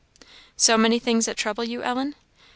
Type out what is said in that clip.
"So many things that trouble you, Ellen?"